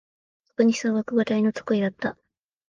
とくに数学が大の得意だった。